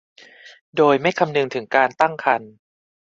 โดยไม่คำนึงถึงการตั้งครรภ์